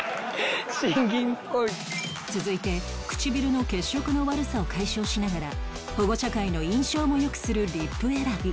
続いて唇の血色の悪さを解消しながら保護者会の印象も良くするリップ選び